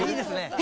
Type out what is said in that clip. え！